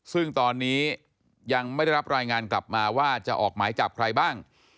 ซึ่งตอนนี้ยังไม่ได้รับรายงานกลับมาว่าจะออกหมายจับใครบ้าง